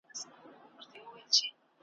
رپول یې له ناکامه وزرونه `